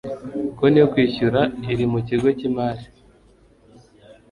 konti yo kwishyura iri mu kigo cy'imari